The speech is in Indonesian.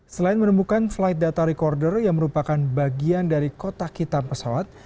selain menemukan flight data recorder yang merupakan bagian dari kotak hitam pesawat